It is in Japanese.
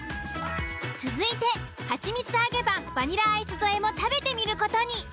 続いてはちみつ揚げパンバニラアイス添えも食べてみる事に。